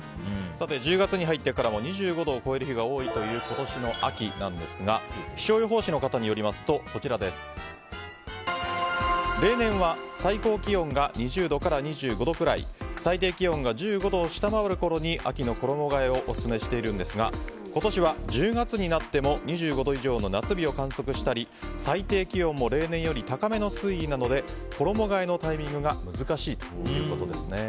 １０月に入ってからも２５度を超える日が多いという今年の秋なんですが気象予報士の方によりますと例年は最高気温が２０度から２５度くらい最低気温が１５度を下回るころに秋の衣替えをオススメしているが今年は１０月になっても２５度以上の夏日を観測したり最低気温も例年より高めの推移なので衣替えのタイミングが難しいということです。